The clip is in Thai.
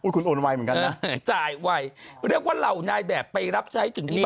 คุณโอนไวเหมือนกันนะจ่ายไวเรียกว่าเหล่านายแบบไปรับใช้ถึงที่